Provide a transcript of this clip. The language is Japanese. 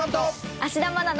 芦田愛菜の。